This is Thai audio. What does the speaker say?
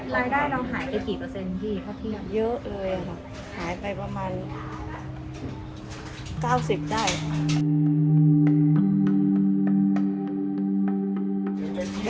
หายไปประมาณ๙๐ได้ค่ะ